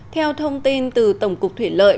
theo thông tin từ tổng cục thủy lợi